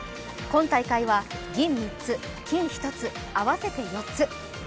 今大会は銀３つ、金１つ合わせて４つ。